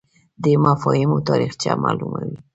دی مفاهیمو تاریخچه معلوموي